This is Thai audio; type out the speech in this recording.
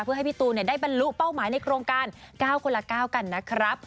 เพื่อให้พี่ตูนได้บรรลุเป้าหมายในโครงการ๙คนละ๙กันนะครับ